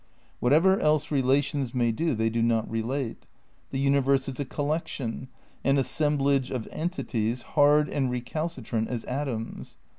Whatever else relations may do, they do not relate. The universe is a collec tion, an assemblage of entities hard and recalcitrant as atoms.